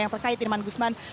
yang terkait yerman gusman